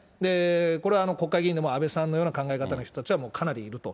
これは国会議員でも安倍さんのような考え方の人たちはかなりいると。